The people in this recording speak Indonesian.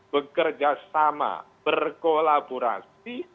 bekerja sama berkolaborasi